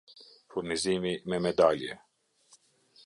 Furnizimi me medalje